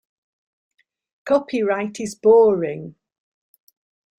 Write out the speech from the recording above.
Copyright is boring.